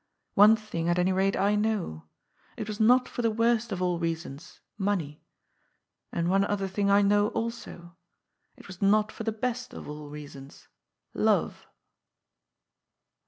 One thing, at any rate, I know. It was not for the worst of all reasons, money. And one other thing I know also. It was not for the best of all reasons — love."